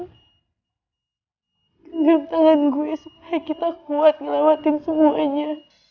gegenp brem tangan gue supaya kita kuat ngelawatin semuanya